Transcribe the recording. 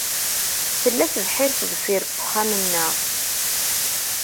Tella tebḥirt deffir wexxam-nneɣ.